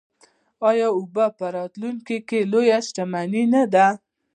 آیا اوبه په راتلونکي کې لویه شتمني نه ده؟